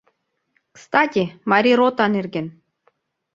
Кстати, Марий рота нерген...